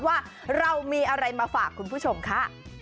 ว่าเรามีอะไรมาฝากคุณผู้ชมค่ะ